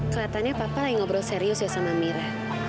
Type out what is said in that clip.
kelatannya papa lagi ngobrol serius ya sama amira